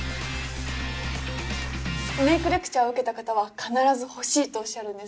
メイクレクチャーを受けた方は必ず欲しいとおっしゃるんです。